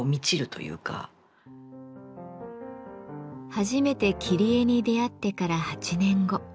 初めて切り絵に出会ってから８年後。